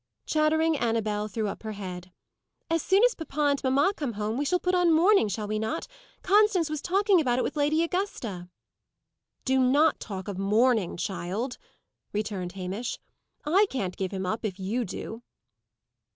Chattering Annabel threw up her head. "As soon as papa and mamma come home, we shall put on mourning, shall we not? Constance was talking about it with Lady Augusta." "Do not talk of mourning, child," returned Hamish. "I can't give him up, if you do."